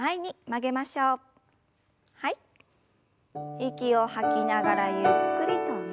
息を吐きながらゆっくりと前に。